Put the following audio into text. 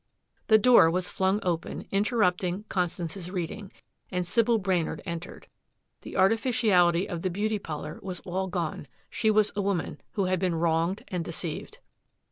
The door was flung open, interrupting Constance's reading, and Sybil Brainard entered. The artificiality of the beauty parlor was all gone. She was a woman, who had been wronged and deceived.